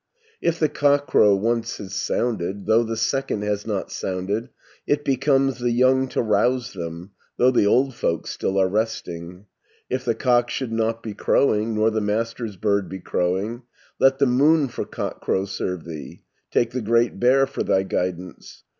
If the cockcrow once has sounded, Though the second has not sounded, 110 It becomes the young to rouse them, Though the old folk still are resting. "If the cock should not be crowing, Nor the master's bird be crowing, Let the moon for cockcrow serve thee, Take the Great Bear for thy guidance.